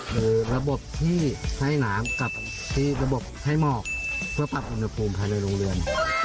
หรือระบบที่ให้น้ำกับที่ระบบให้หมอกเพื่อปรับอุณหภูมิภายในโรงเรือน